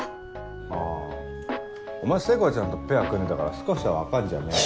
あぁお前聖子ちゃんとペア組んでたから少しは分かんじゃねえの？